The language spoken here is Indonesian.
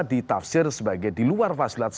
ditafsir sebagai di luar fasilitas